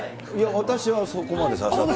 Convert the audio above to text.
私はそこまで刺さってない。